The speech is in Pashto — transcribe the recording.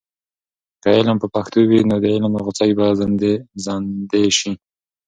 که علم په پښتو وي، نو د علم غوڅۍ به زندې سي.